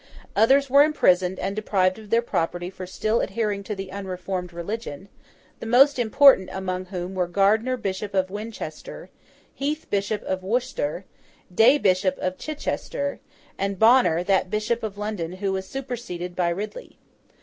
Others were imprisoned and deprived of their property for still adhering to the unreformed religion; the most important among whom were Gardiner Bishop of Winchester, Heath Bishop of Worcester, Day Bishop of Chichester, and Bonner that Bishop of London who was superseded by Ridley.